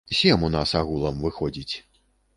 Сем у нас агулам выходзіць.